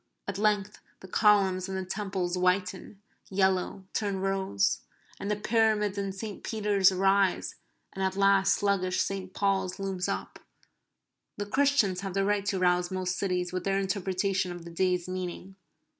At length the columns and the Temples whiten, yellow, turn rose; and the Pyramids and St. Peter's arise, and at last sluggish St. Paul's looms up. The Christians have the right to rouse most cities with their interpretation of the day's meaning.